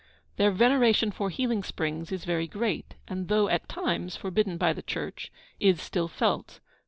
Their veneration for healing springs is very great, and, though at times forbidden by the Church, is still felt.